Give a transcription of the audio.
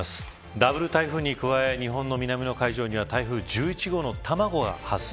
ダブル台風に加え日本の南の海上に台風１１号の卵が発生。